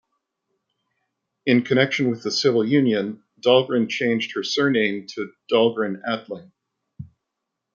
In connection with the civil union, Dahlgren changed her surname to Dahlgren-Attling.